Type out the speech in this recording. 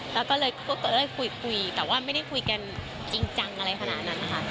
แล้วก็เลยคุยแต่ว่าไม่ได้คุยกันจริงจังอะไรขนาดนั้นนะคะ